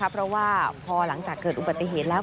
เพราะว่าพอหลังจากเกิดอุบัติเหตุแล้ว